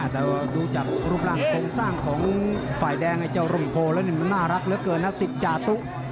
แต่ว่าดูจากรูปร่างโครงสร้างของฝ่ายแดงไอ้เจ้าร่มโพแล้วมันน่ารักเหลือเกินนะสิบจาตุ